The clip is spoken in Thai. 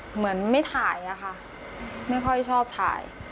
เหมือนไม่ถ่ายอะค่ะไม่ค่อยชอบถ่าย